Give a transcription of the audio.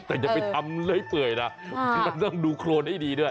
แต่อย่าไปทำเล้ยเปื่อยนะมันต้องดูโครนให้ดีด้วย